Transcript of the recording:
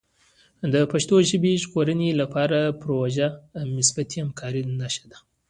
د پښتو ژبې د ژغورنې لپاره پروژه د مثبتې همکارۍ نښه ده.